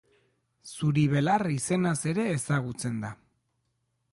Zuri-belar izenaz ere ezagutzen da.